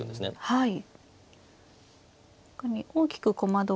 はい。